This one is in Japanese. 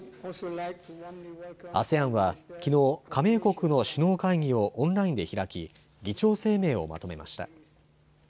ＡＳＥＡＮは、きのう加盟国の首脳会議をオンラインで開き議長声明をまとめました。